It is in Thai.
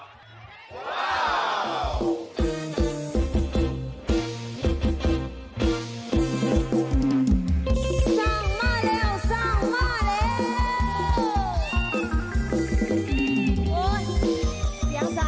สั่งมาแล้วสั่งมาแล้ว